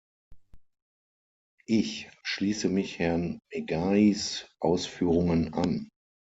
Ich schließe mich Herrn Megahys Ausführungen an.